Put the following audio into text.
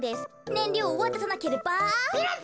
ねんりょうをわたさなければ。